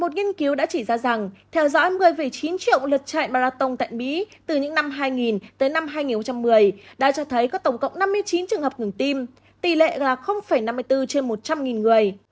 một nghiên cứu đã chỉ ra rằng theo dõi một mươi chín triệu lượt chạy marathon tại mỹ từ những năm hai nghìn tới năm hai nghìn một mươi đã cho thấy có tổng cộng năm mươi chín trường hợp ngừng tim tỷ lệ là năm mươi bốn trên một trăm linh người